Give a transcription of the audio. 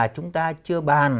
chúng ta chưa bàn